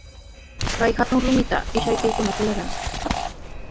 Kay hatun rumita ishkaykikuna tikrayay.